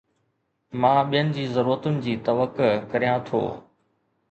مان ٻين جي ضرورتن جي توقع ڪريان ٿو